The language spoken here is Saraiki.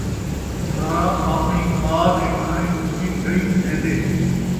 سنارا آپݨی ماء دے ڳاہݨے کوں وی رئی لین٘دے